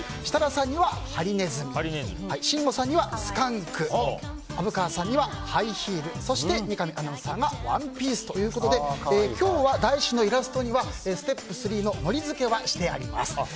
設楽さんにはハリネズミしんごさんにはスカンク虻川さんにはハイヒールそして三上アナウンサーがワンピースということで今日は台紙のイラストにはステップ３ののりづけはしてあります。